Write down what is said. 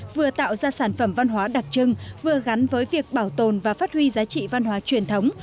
vừa tạo ra sản phẩm văn hóa đặc trưng vừa gắn với việc bảo tồn và phát huy giá trị văn hóa truyền thống